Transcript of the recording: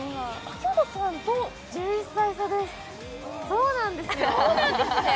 そうなんですね